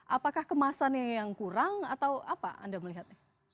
apakah kemasannya yang kurang atau apa anda melihatnya